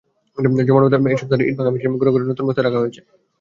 জমাটবাঁধা এসব সার ইটভাঙা মেশিনে গুঁড়া করে নতুন বস্তায় ভরে রাখা হয়েছে।